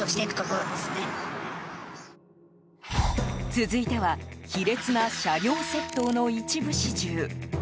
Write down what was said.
続いては卑劣な車両窃盗の一部始終。